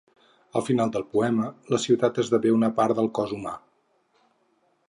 Al final del poema, la ciutat esdevé una part del cos humà.